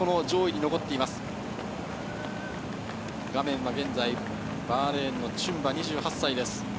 画面は現在、バーレーンのチュンバです。